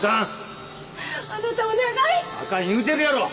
あかん言うてるやろ